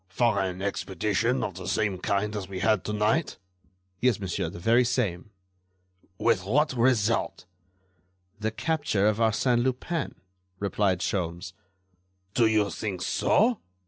"For an expedition of the same kind as we had to night?" "Yes, monsieur, the very same." "With what result?" "The capture of Arsène Lupin," replied Sholmes. "Do you think so?"